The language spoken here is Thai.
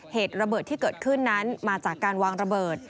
เหตุระเบิดที่เกิดขึ้นนั้นมาจากการวางระเบิด